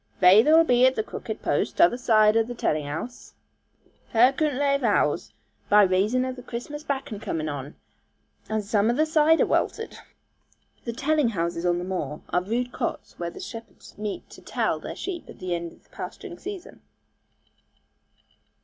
'Vayther'll be at the crooked post, tother zide o' telling house.* Her coodn't lave 'ouze by raison of the Chirstmas bakkon comin' on, and zome o' the cider welted.' * The 'telling houses' on the moor are rude cots where the shepherds meet to 'tell' their sheep at the end of the pasturing season.